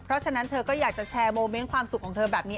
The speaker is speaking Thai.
เพราะฉะนั้นเธอก็อยากจะแชร์โมเมนต์ความสุขของเธอแบบนี้